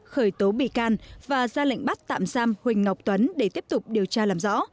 khởi tố bị can và ra lệnh bắt tạm giam huỳnh ngọc tuấn để tiếp tục điều tra làm rõ